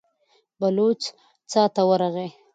بلوڅ څا ته ورغی.